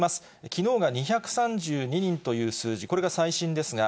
きのうが２３２人という数字、これが最新ですが、